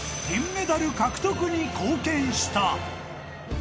銀メダル獲得に貢献した。